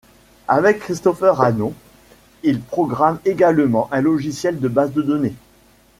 Avec Christopher Anon, il programme également un logiciel de base de données, '.